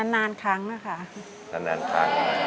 นานครั้งแล้วค่ะ